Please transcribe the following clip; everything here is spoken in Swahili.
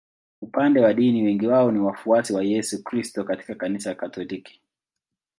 Upande wa dini wengi wao ni wafuasi wa Yesu Kristo katika Kanisa Katoliki.